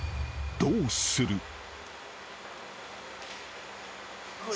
どうする？］